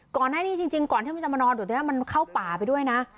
ก่อนให้นี่จริงจริงก่อนที่มันจะมานอนตรงนี้มันเข้าป่าไปด้วยนะ